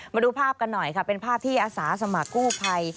มาดูภาพกันหน่อยค่ะเป็นภาพที่อาสาสมัครกู้ภัย